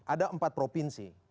ada empat provinsi